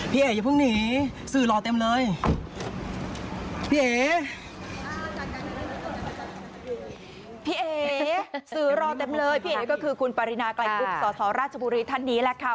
พี่เอ๋สื่อรอเต็มเลยพี่เอ๋ก็คือคุณปารีนาไกลกุ๊บสรราชบุรีท่านนี้แหละค่ะ